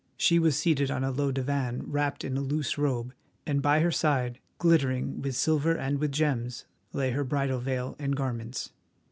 She was seated on a low divan wrapped in a loose robe, and by her side, glittering with silver and with gems, lay her bridal veil and garments.